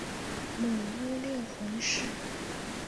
母乌六浑氏。